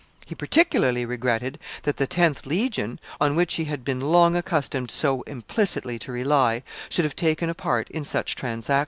He particularly regretted that the tenth legion, on which he had been long accustomed so implicitly to rely, should have taken a part in such transactions.